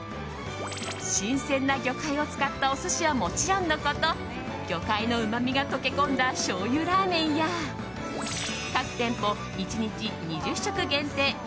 新鮮な魚介を使ったお寿司はもちろんのこと魚介のうまみが溶け込んだしょうゆラーメンや各店舗１日２０食限定